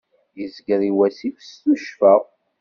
Izger i wassif s tuccfa.